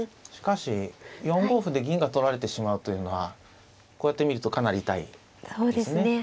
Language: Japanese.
しかし４五歩で銀が取られてしまうというのはこうやって見るとかなり痛いですね。